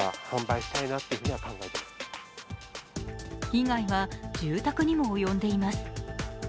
被害は住宅にも及んでいます。